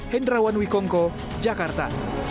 hendrawan wikongo jakarta